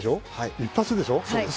一発なんでしょ。